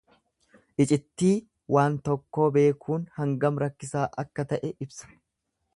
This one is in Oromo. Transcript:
Icittii waan tokkoo beekuun hangam rakkisaa akka ta'e ibsa.